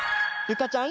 かちゃん